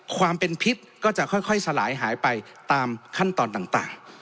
ความเป็นพิษก็จะค่อยสลายหายไปตามขั้นตอนต่าง